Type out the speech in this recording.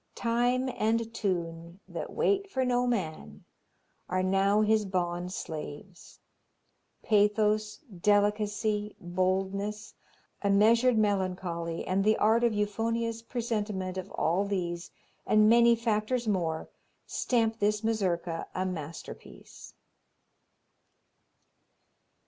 Time and tune, that wait for no man, are now his bond slaves. Pathos, delicacy, boldness, a measured melancholy and the art of euphonious presentiment of all these, and many factors more, stamp this Mazurka a masterpiece.